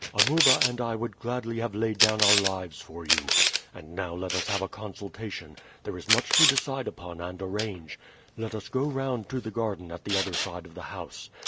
"Amuba and I would gladly have laid down our lives for you. And now let us have a consultation; there is much to decide upon and arrange. Let us go round to the garden at the other side of the house.